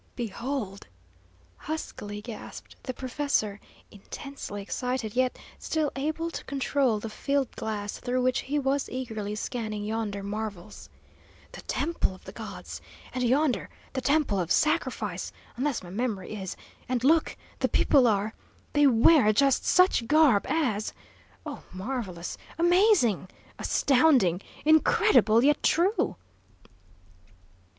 "Behold!" huskily gasped the professor, intensely excited, yet still able to control the field glass through which he was eagerly scanning yonder marvels. "The temple of the gods! And, yonder, the temple of sacrifice, unless my memory is and look! The people are they wear just such garb as Oh, marvellous! Amazing! Astounding! Incredible yet true!"